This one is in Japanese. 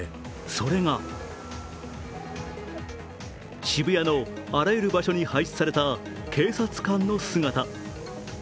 それが渋谷のあらゆる場所に配置された警察官の姿。